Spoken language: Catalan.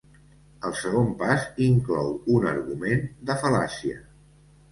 El segon pas inclou un argument de fal·làcia.